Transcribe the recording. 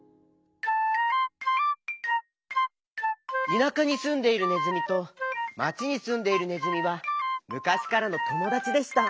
田舎にすんでいるねずみと町にすんでいるねずみはむかしからのともだちでした。